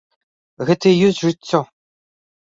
Гэта і ёсць жыццё!